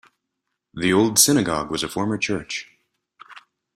The old synagogue was a former church.